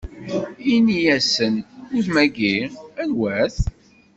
Inna-asen: Udem-agi? anwa-t?